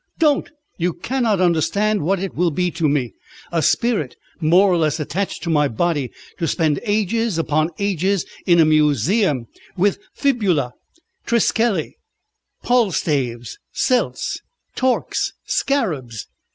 "Don't! You cannot understand what it will be to me a spirit more or less attached to my body, to spend ages upon ages in a museum with fibulæ, triskelli, palstaves, celts, torques, scarabs.